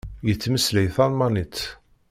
Yettmeslay talmanit.